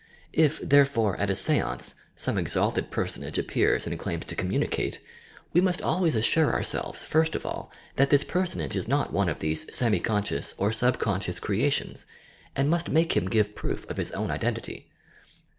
If, therefore, at a seance, some exalted personage appears and claims to communicate, we must always assure ourselves first of all that this personage is not one of these semi conscious or subconscious crea tions, and mu.st make him give proof of his own identity.